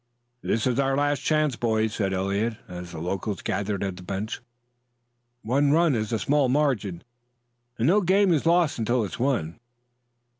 "This is our last chance, boys," said Eliot, as the locals gathered at the bench. "One run is a small margin, and no game is lost until it's won."